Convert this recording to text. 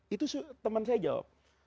itu teman saya jawab